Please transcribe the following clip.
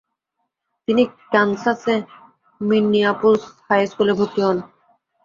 তিনি কান্সাসে Minneapolis high স্কুলে ভর্তি হন।